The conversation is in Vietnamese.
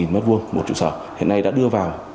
một trụ sở hiện nay đã đưa vào